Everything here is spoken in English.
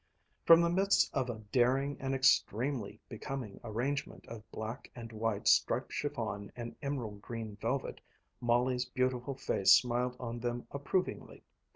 From the midst of a daring and extremely becoming arrangement of black and white striped chiffon and emerald green velvet, Molly's beautiful face smiled on them approvingly.